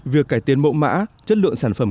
việc cải tiến mẫu mã chất lượng sản phẩm